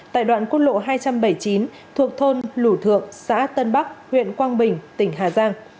tại đoạn quốc lộ hai trăm bảy mươi chín thuộc thôn lũ thượng xã tân bắc huyện quang bình tỉnh hà giang